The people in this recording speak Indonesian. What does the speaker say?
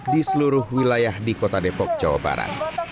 di seluruh wilayah di kota depok jawa barat